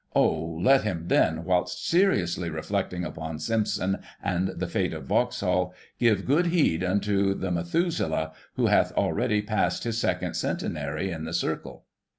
Oh ! let him, then, whilst seriously reflecting upon Simpson and the fate of Vauxhall, give good heed unto the Methuselah, who hath already passed his second centenary in the circle